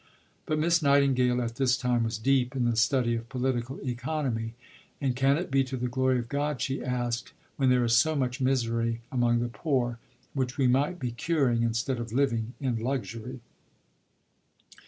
But Miss Nightingale at this time was deep in the study of political economy; and "can it be to the glory of God," she asked, "when there is so much misery among the poor, which we might be curing instead of living in luxury?"